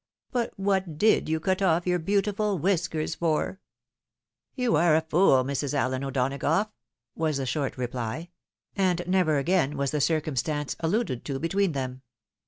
But what did you cut off your beautiful whiskers for ?"" You are a fool, Mrs. Allen O'Donagough," was the short reply; and never again was the circumstance alluded to between them.